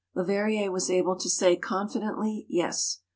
Leverrier was able to say confidently, "Yes."